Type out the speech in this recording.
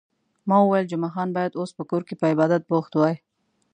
ما وویل، جمعه خان باید اوس په کور کې په عبادت بوخت وای.